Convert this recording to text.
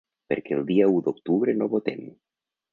Perquè el dia u d’octubre no votem.